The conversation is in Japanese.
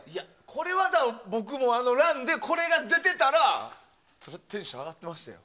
これは僕も「ＲＵＮ」でこれが出てたらテンション上がってましたよ。